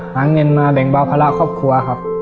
หาเงินมาแบ่งเผาพลาอ้าวครอบครัวครับ